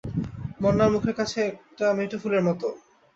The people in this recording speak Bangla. বন্যার মুখের কাছে একটা মেঠো ফুলের মতো।